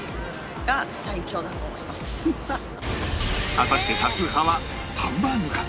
果たして多数派はハンバーグか？